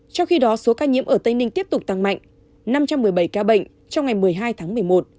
trong khi đó số ca nhiễm ở tây ninh tiếp tục tăng mạnh năm trăm một mươi bảy ca bệnh trong ngày một mươi hai tháng một mươi một